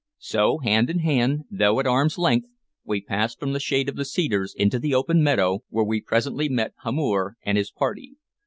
So, hand in hand, though at arms' length, we passed from the shade of the cedars into the open meadow, where we presently met Hamor and his party.